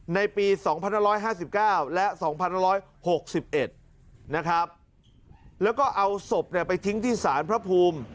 ในปี๒๕๕๙และ๒๑๖๑นะครับแล้วก็เอาศพไปทิ้งที่ศาลพระภูมิ